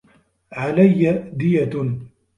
عَلَيَّ دِيَةٌ